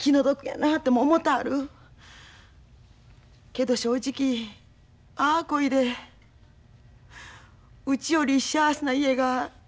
けど正直ああこいでうちより幸せな家が一軒減ったなって。